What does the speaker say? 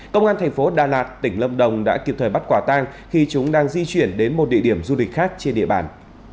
công an thành phố đà lạt tỉnh lâm đồng đã kịp thời bắt quả tang khi chúng đang di chuyển đến một địa điểm du lịch khác trên địa bàn